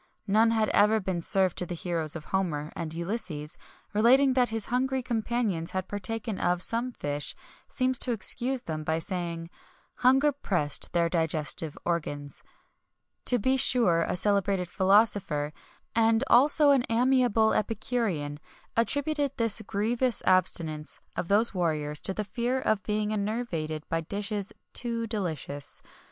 None had ever been served to the heroes of Homer, and Ulysses, relating that his hungry companions had partaken of some fish, seems to excuse them, by saying: "Hunger pressed their digestive organs."[XXI 6] To be sure a celebrated philosopher,[XXI 7] and also an amiable epicurean,[XXI 8] attributed this grievous abstinence of those warriors to the fear of being enervated by dishes too delicious.